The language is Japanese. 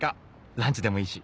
ランチでもいいし！